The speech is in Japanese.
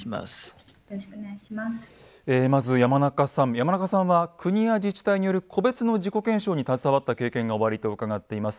山中さんは国や自治体による個別の事故検証に携わった経験がおありと伺っています。